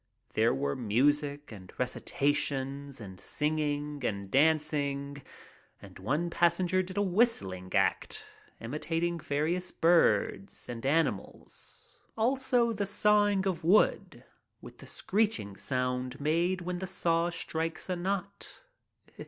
There were music and recitations and singing and dancing, and one passenger did a whistling act, imitating various birds and animals, also the sawing of wood, with the screeching sound made when the saw strikes a knot.